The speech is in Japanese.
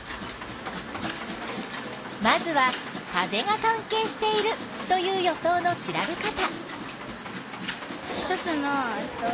まずは風が関係しているという予想の調べ方。